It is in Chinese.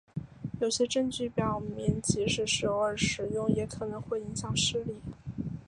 有些证据表明即便是偶尔使用也可能会影响视力。